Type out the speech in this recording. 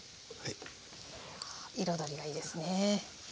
彩りがいいですね。